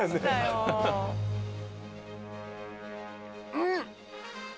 うん。